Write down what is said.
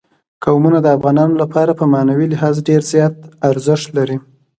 قومونه د افغانانو لپاره په معنوي لحاظ ډېر زیات ارزښت لري.